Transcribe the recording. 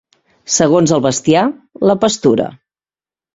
Segons el bestiar, la pastura.